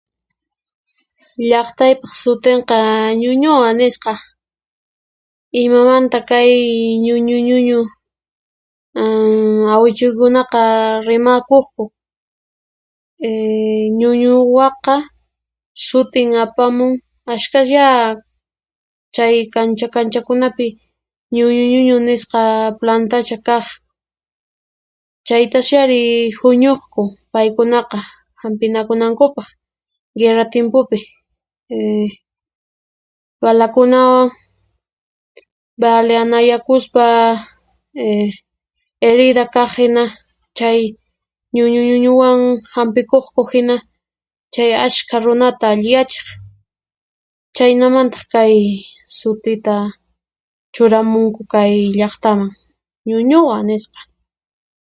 Llaqtaypaq sutinqa Ñuñuwa nisqa, imamanta kay ñuñu ñuñu amm awichuykunaqa rimakuqku: ehh Ñuñuwaqa sutin apamun ashkhasyá chay kancha kanchakunapi ñuñu ñuñu nisqa plantacha kaq chaytachari huñuqku paykunaqa hampinakunankupaq guirra timpupi, ehh balakunawan baleanayakuspa ehh herida kaq hina chay ñuñu ñuñuwan hampikuqku hina chay ashkha runata alliyachiq, chhaynamantaq kay sutita churamunku kay llaqtaman Ñuñuwa nisqa.